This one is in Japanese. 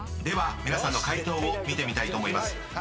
［では皆さんの解答を見てみたいと思います］